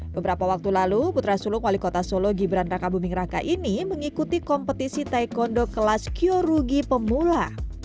beberapa waktu lalu putra sulung wali kota solo gibran raka buming raka ini mengikuti kompetisi taekwondo kelas kyorugi pemula